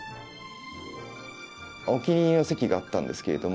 お気に入りの席があったんですけれども。